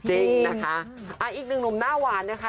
จริงนะคะอีกหนึ่งหนุ่มหน้าหวานนะคะ